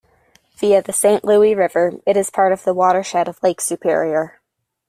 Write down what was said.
Via the Saint Louis River, it is part of the watershed of Lake Superior.